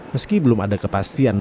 meski belum ada kepastian